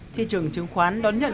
thị trường chứng khoán đón nhận